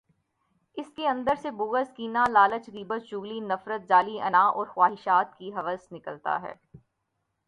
اس کے اندر سے بغض، کینہ، لالچ، غیبت، چغلی، نفرت، جعلی انااور خواہشات کی ہوس نکالتا ہے۔